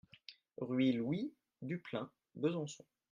Rue Louis Duplain, Besançon